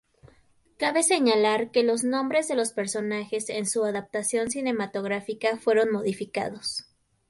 Cabe señalar que los nombres de los personajes en su adaptación cinematográfica fueron modificados.